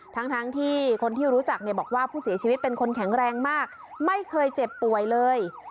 ทั้งที่คนที่รู้จักเนี่ยบอกว่าผู้เสียชีวิตเป็นคนแข็งแรงมากไม่เคยเจ็บป่วยเลย